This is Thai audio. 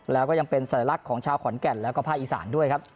แล้วก็ยังเป็นสัญลักษณ์ของชาวขอนแก่นแล้วก็ภาคอีสานด้วยครับ